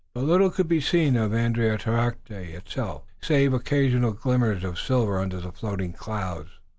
But little could be seen of Andiatarocte itself, save occasional glimmers of silver under the floating clouds.